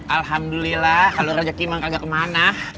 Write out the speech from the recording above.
alhamdulillah kalau raja kimang kagak kemana